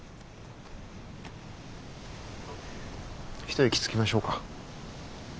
一息つきましょうか。